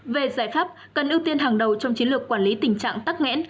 về giải pháp cần ưu tiên hàng đầu trong chiến lược quản lý tình trạng tắc nghẽn